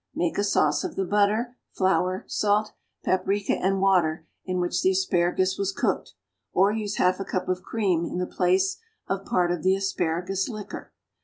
Make a sauce of the butter, flour, salt, paprica, and water in which the asparagus was cooked, or use half a cup of cream in the place of part of the asparagus liquor.